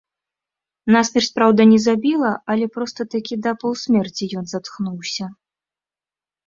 Насмерць, праўда, не забіла, але проста такі да паўсмерці ён затхнуўся.